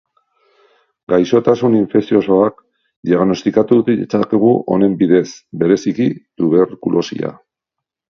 Gaixotasun infekziosoak diagnostikatu ditzakegu honen bidez, bereziki tuberkulosia.